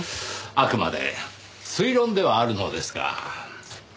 あくまで推論ではあるのですが。